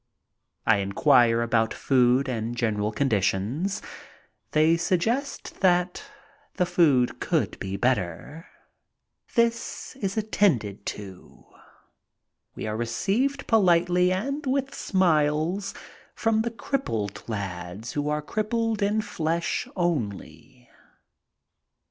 I inquire about food and general conditions. , They sug gest that the food could be better. This is attended to. We are received politely and with smiles from the crippled lads who are crippled in flesh only.